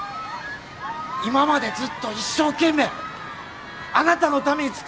今までずっと一生懸命あなたのために尽くしてきました。